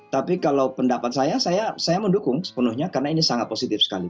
tapi kalau pendapat saya saya mendukung sepenuhnya karena ini sangat positif sekali